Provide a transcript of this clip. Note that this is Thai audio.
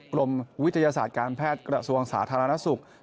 กรมวิทยาศาสตร์การแพทย์กระทรวงสาธารณสุข